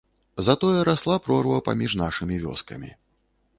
Затое расла прорва паміж нашымі вёскамі.